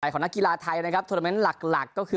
ของนักกีฬาไทยนะครับโทรเมนต์หลักก็คือ